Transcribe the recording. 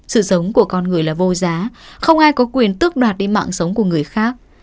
sự sống của con người là vô giá không ai có quyền tước đoạt đi mạng sống của người khác